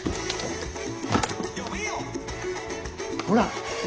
ほら！